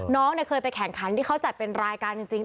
น้องเคยไปแข่งขันที่เขาจัดเป็นรายการจริง